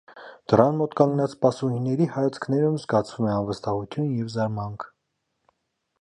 Դռան մոտ կանգնած սպասուհիների հայացքներում զգացվում է անվստահություն և զարմանք։